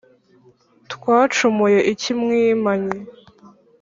Twacumuye iki mwimanyi